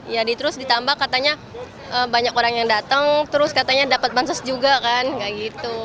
jadi terus ditambah katanya banyak orang yang datang terus katanya dapat bansos juga kan nggak gitu